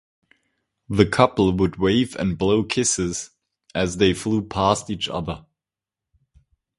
The couple would wave and blow kisses as they flew past each other.